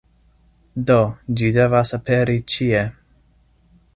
Do, ĝi devas aperi ĉie